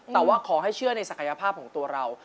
แต่ว่าขอให้เชื่อในศักยภาพของตัวเรา